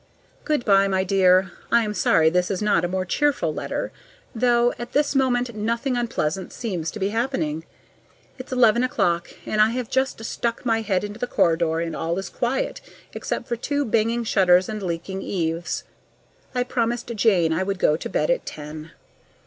Good by, my dear. I am sorry this is not a more cheerful letter, though at this moment nothing unpleasant seems to be happening. It's eleven o'clock, and I have just stuck my head into the corridor, and all is quiet except for two banging shutters and leaking eaves. I promised Jane I would go to bed at ten.